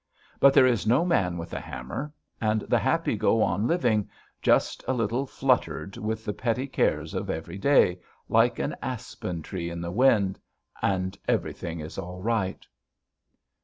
But there is no man with a hammer, and the happy go on living, just a little fluttered with the petty cares of every day, like an aspen tree in the wind and everything is all right.'